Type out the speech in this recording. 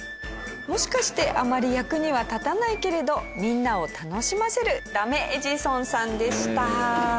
もしかしてあまり役には立たないけれどみんなを楽しませるダメエジソンさんでした。